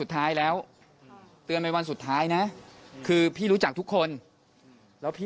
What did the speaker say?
แต่ก็ไม่รู้ใช่รึเปล่านะ